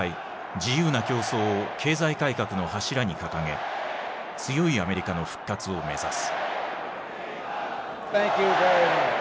自由な競争を経済改革の柱に掲げ強いアメリカの復活を目指す。